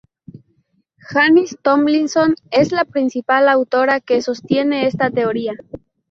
Janis Tomlinson es la principal autora que sostiene esta teoría.